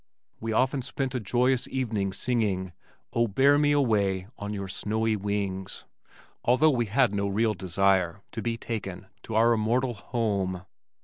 We often spent a joyous evening singing O, Bear Me Away on Your Snowy Wings, although we had no real desire to be taken "to our immortal home."